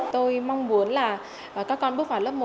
tôi mong muốn là các con bước vào lớp một